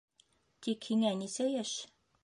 Тик һиңә нисә йәш?